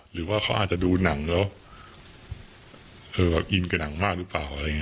หรือว่าเขาอาจจะดูหนังแล้วอินกับหนังมากหรือเปล่า